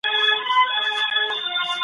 تاريخي جريان يو دوراني حرکت لري.